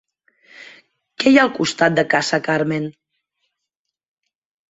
Què hi ha al costat de Casa Carmen?